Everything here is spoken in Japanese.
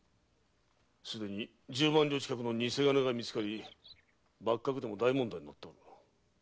それに十万両近い偽金が見つかり幕閣でも大問題になっておる。